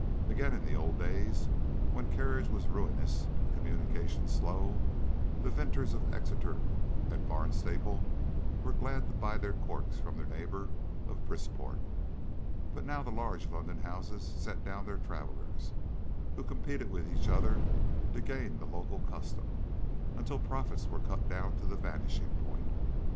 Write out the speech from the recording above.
Again, in the old days, when carriage was ruinous and communication slow, the vintners of Exeter and of Barnstaple were glad to buy their corks from their neighbour of Brisport; but now the large London houses sent down their travellers, who competed with each other to gain the local custom, until profits were cut down to the vanishing point.